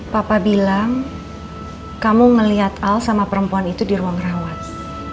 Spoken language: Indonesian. papa bilang kamu ngelihat al sama perempuan itu di ruang rawat